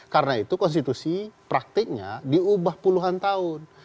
karena itu konstitusi praktiknya diubah puluhan tahun